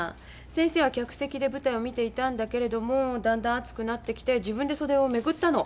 先生は客席で舞台を見ていたんだけれどもだんだん暑くなってきて自分で袖をめくったの。